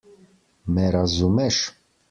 Me razumeš?